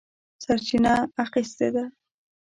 سرچینه اخیستې ده.